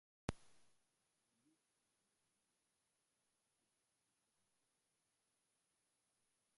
redio inajaribiwa wakati wa kipindi cha utangazaji